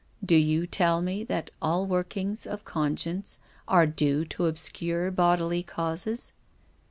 Do you tell me that all workings of conscience are due to obscure bodily causes?"